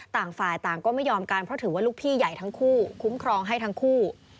ต่างฝ่ายต่างก็ไม่ยอมกันเพราะถือว่าลูกพี่ใหญ่ทั้งคู่คุ้มครองให้ทั้งคู่